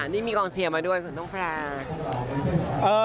นี่มีกองเชียร์มาด้วยคุณน้องแพร่